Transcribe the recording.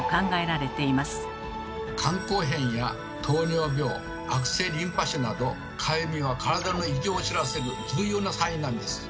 肝硬変や糖尿病悪性リンパ腫などかゆみは体の異常を知らせる重要なサインなんです。